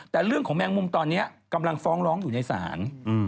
แต่เรื่องของแมงมุมตอนนี้กำลังฟ้องร้องอยู่ในศาล